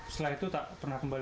setelah itu tak pernah kembali